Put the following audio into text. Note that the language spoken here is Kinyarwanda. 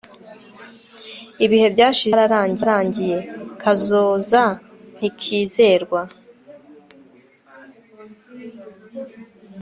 ibihe byashize byararangiye. kazoza ntikizezwa